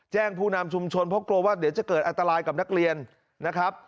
ผู้นำชุมชนเพราะกลัวว่าเดี๋ยวจะเกิดอันตรายกับนักเรียนนะครับ